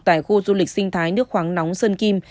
tại khu du lịch sinh thái nước khoáng nóng sơn kim